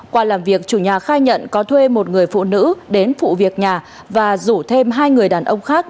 qua làm việc chủ nhà khai nhận có thuê một người phụ nữ đến phụ việc nhà và rủ thêm hai người đàn ông khác